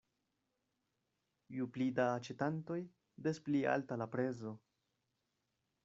Ju pli da aĉetantoj, des pli alta la prezo.